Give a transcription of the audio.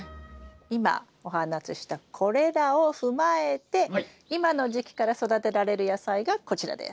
今お話ししたこれらを踏まえて今の時期から育てられる野菜がこちらです。